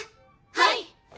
はい！